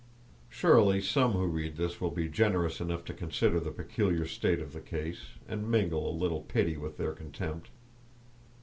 Surely some who read this will be generous enough to consider the peculiar state of the case, and mingle a little pity with their contempt.